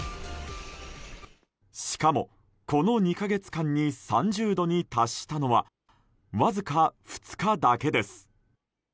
しかも、この２か月間に３０度に達したのはわずか２日だけです。